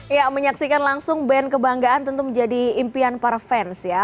ya menyaksikan langsung band kebanggaan tentu menjadi impian para fans ya